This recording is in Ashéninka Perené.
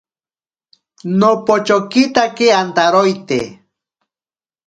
Nopochokitake antaroite.